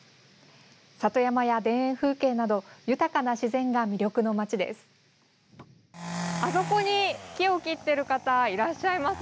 里山や田園風景など豊かな自然が魅力の町です。